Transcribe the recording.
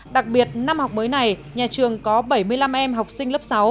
đặc biệt năm học mới này nhà trường có bảy mươi năm em học sinh lớp sáu